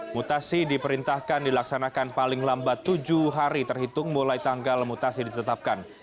mutasi diperintahkan dilaksanakan paling lambat tujuh hari terhitung mulai tanggal mutasi ditetapkan